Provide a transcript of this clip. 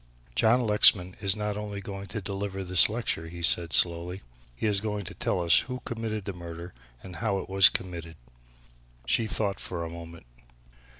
John Lexman is not only going to deliver this lecture," he said slowly, "but he is going to tell us who committed the murder and how it was committed." She thought a moment.